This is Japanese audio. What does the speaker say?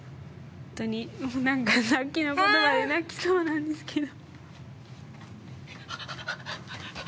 何かさっきの言葉で泣きそうなんですけど。